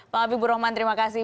pak apik buroman terima kasih